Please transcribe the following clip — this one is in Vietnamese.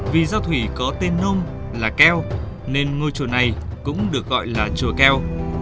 vì giao thủy có tên nung là keo nên ngôi chùa này cũng được gọi là chùa keo